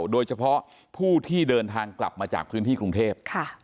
โดยเฉพาะผู้ที่เดินทางกลับมาจากพื้นที่กรุงเทพ